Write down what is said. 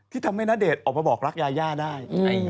ที่ทำให้ณเดชน์ออกมาบอกรักยายาได้